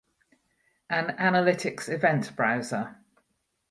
an analytics event browser